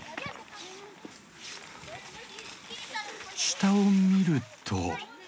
下を見ると。